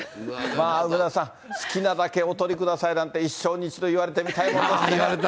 まあ、梅沢さん、好きなだけお取りくださいなんて、一生に一度、言われたいですね。